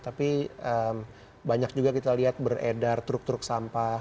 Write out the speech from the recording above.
tapi banyak juga kita lihat beredar truk truk sampah